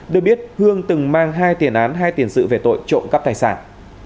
được biết hương từng mang hai tiền án hai tiền sự về tội trộm cắp tài sản